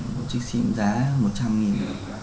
một chiếc sim giá một trăm linh nghìn